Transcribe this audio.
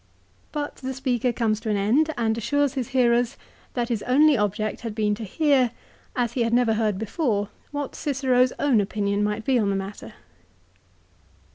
But the speaker comes to an end, and assures his hearers that his only object had been to hear, as he had never heard before, what Cicero's own opinion might be on the matter.